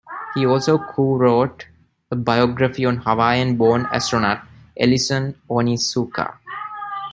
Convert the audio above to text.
He also co-wrote a biography on Hawaiian-born astronaut Ellison Onizuka.